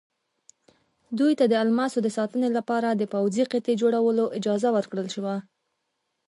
دوی ته د الماسو د ساتنې لپاره د پوځي قطعې جوړولو اجازه ورکړل شوه.